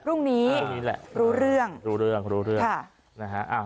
พรุ่งนี้พรุ่งนี้แหละรู้เรื่องรู้เรื่องรู้เรื่องค่ะนะฮะ